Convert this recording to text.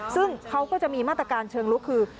ซึ่งเขาก็จะมีมาตรการเชิงลุกคือ